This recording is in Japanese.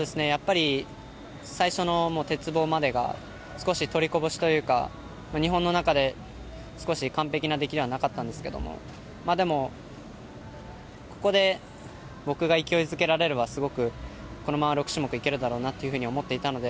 最初の鉄棒までが少し取りこぼしというか日本の中で少し完璧な出来ではなかったんですけどでもここで僕が勢いづけられればすごくこのまま６種目いけるだろうなと思っていたので。